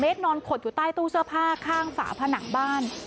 นอนขดอยู่ใต้ตู้เสื้อผ้าข้างฝาผนังบ้าน